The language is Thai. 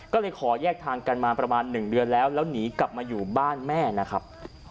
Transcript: ก็เลยขอแยกทางกันมาประมาณ๑เดือนแล้วแล้วหนีกลับมาอยู่บ้านแม่นะครับ